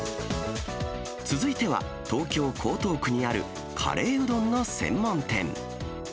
続いては、東京・江東区にあるカレーうどんの専門店。